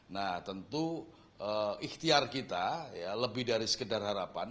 nah tentu ikhtiar kita ya lebih dari sekedar harapan